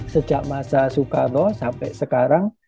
sejak masa soekarno sampai sekarang